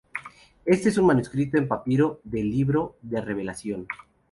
Este es un manuscrito en papiro del Libro de Revelación.